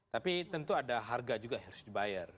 tapi tentu ada harga juga yang harus dibayar